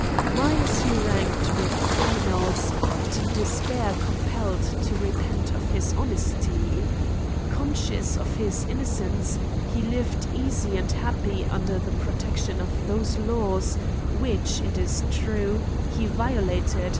Why is he ranked with criminals, and in despair compelled to repent of his honesty ? Conscious of his inno cence, he lived easy and happy under the protec tion of those laws which, it is true, he violated, CHIMES AND PUNISHMENTS.